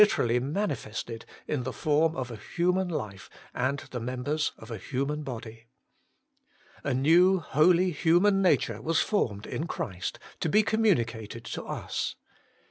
110 HOLY IN CHRIST. form of a human life and the members of a human body. A new holy human nature was formed in Christ, to be communicated to us.